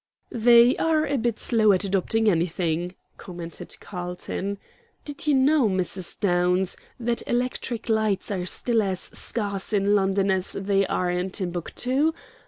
"They are a bit slow at adopting anything," commented Carlton. "Did you know, Mrs. Downs, that electric lights are still as scarce in London as they are in Timbuctoo?